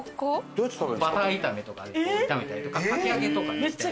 バター炒めとかで炒めたりとかかき揚げとかにして。